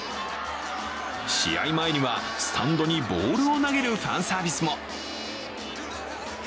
試合前には、スタンドにボールを投げるファンサービスも。